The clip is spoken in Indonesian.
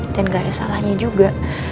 dan gak ada salahnya juga